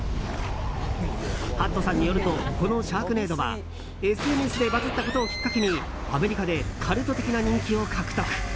ハットさんによるとこの「シャークネード」はＳＮＳでバズったことをきっかけにアメリカでカルト的な人気を獲得。